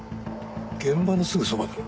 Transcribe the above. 現場のすぐそばだな。